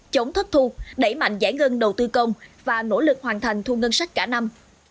chống thất thu đẩy mạnh giải ngân đầu tư công và nỗ lực hoàn thành thu ngân sách cả năm